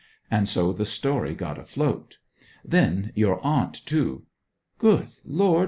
And so the story got afloat. Then your aunt, too ' 'Good Lord!